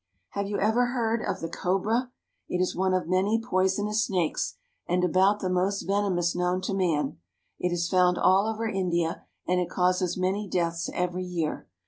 Have you ever heard of the cobra ? It is one of many poisonous snakes and about the most venomous known to THE WILD ANIMALS OF INDIA 245 man. It is found all over India, and it causes many deaths every year.